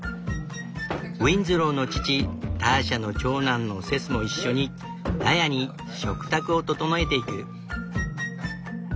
ウィンズローの父ターシャの長男のセスも一緒に納屋に食卓を整えていく。